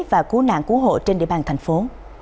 và cứu nạn cứu hộ trên địa bàn thành phố